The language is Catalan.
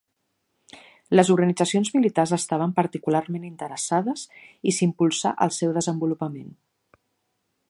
Les organitzacions militars estaven particularment interessades i s'impulsà el seu desenvolupament.